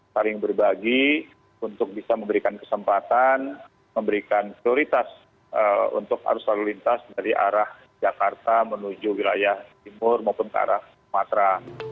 saling berbagi untuk bisa memberikan kesempatan memberikan prioritas untuk arus lalu lintas dari arah jakarta menuju wilayah timur maupun ke arah sumatera